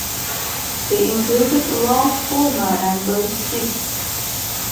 They included Ralph Bulmer and Bruce Biggs.